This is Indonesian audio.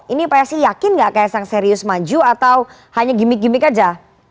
ini psi yakin nggak kaisang serius maju atau hanya gimmick gimmick aja